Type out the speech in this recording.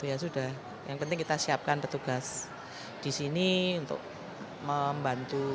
ya sudah yang penting kita siapkan petugas di sini untuk membantu